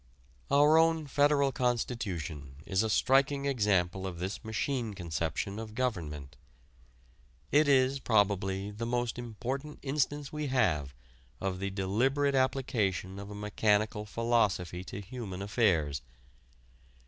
Our own Federal Constitution is a striking example of this machine conception of government. It is probably the most important instance we have of the deliberate application of a mechanical philosophy to human affairs.